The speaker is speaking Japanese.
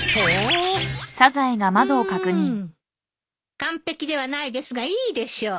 完璧ではないですがいいでしょう。